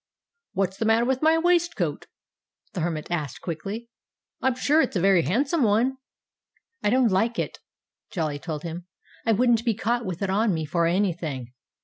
"What's the matter with my waistcoat?" the Hermit asked quickly. "I'm sure it's a very handsome one." "I don't like it!" Jolly told him. "I wouldn't be caught with it on me for anything.